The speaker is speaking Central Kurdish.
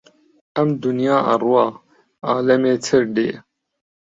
ئەم دونیا ئەڕوا عالەمێتر دێ